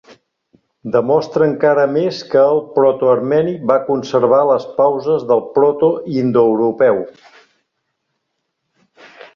Demostra encara més que el proto-armeni va conservar les pauses del proto-indoeuropeu.